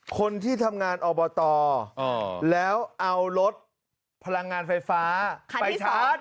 คนที่ทำงานอบตแล้วเอารถพลังงานไฟฟ้าไปชาร์จ